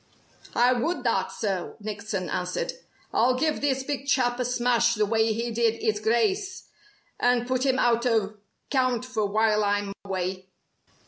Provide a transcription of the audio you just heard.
"I would that, sir!" Nickson answered. "I'll give this big chap a smash the way he did 'is Grice, and put him out o' count for while I'm way."